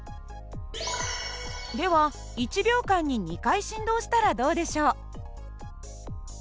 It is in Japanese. では１秒間に２回振動したらどうでしょう？